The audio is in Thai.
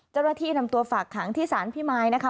เจ้าหน้าที่นำตัวฝากขังที่สารพิมายนะคะ